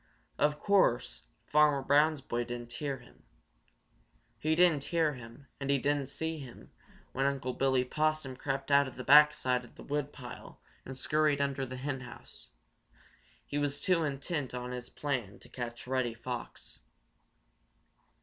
Of course, Farmer Brown's boy didn't hear him. He didn't hear him and he didn't see him when Unc' Billy Possum crept out of the back side of the woodpile and scurried under the henhouse. He was too intent on his plan to catch Reddy Fox.